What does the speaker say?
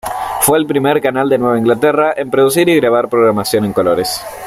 Fue el primer canal de Nueva Inglaterra en producir y grabar programación en colores.